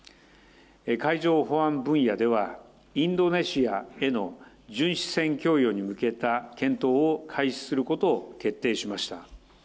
海上保安分野では、インドネシアへの巡視船供与に向けた検討を開始することを決定しました。